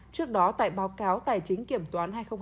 trước đó tại báo cáo tài chính kiểm toán